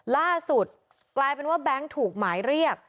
ล่าสุดกลายเป็นว่าแบงค์ถูกหมายเรียก